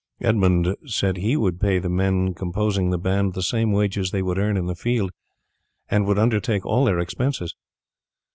Edmund said he would pay the men composing the band the same wages they would earn in the field, and would undertake all their expenses.